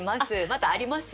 まだあります？